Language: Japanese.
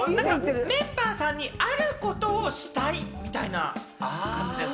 メンバーさんにあることをしたい、みたいな感じです。